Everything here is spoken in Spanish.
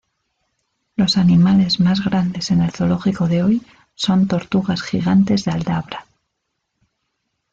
Los animales más grandes en el zoológico de hoy son tortugas gigantes de Aldabra.